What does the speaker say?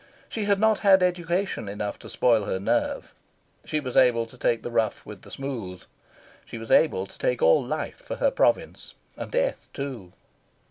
She had not had education enough to spoil her nerve. She was able to take the rough with the smooth. She was able to take all life for her province, and death too.